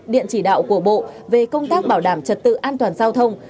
điện chỉ đạo của bộ về công tác bảo đảm trật tự an toàn giao thông